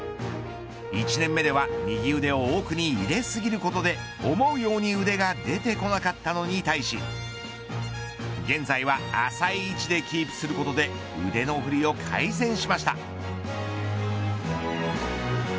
１年目では右腕を奥に入れすぎることで思うように腕が出てこなかったのに対し現在は浅い位置でキープすることで腕の振りを改善しました。